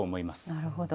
なるほど。